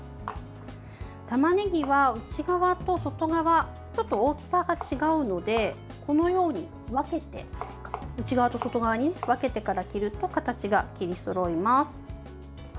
たまねぎは内側と外側ちょっと大きさが違うのでこのように内側と外側に分けてから切ると形が切りそろいます。